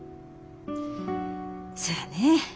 そやね。